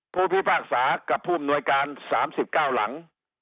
ผู้พิพากษากับผู้อำนวยการ๓๙หลัง